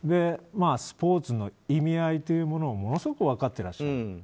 スポーツの意味合いというものをものすごく分かっていらっしゃる。